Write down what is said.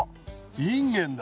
インゲンだ。